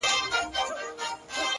• ډېر ماهر وو په کتار کي د سیالانو ,